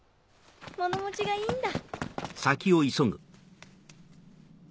物持ちがいいんだ。